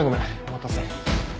お待たせ。